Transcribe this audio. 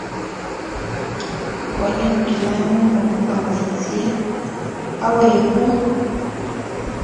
Konon kilaming'ung apoisye, awegun.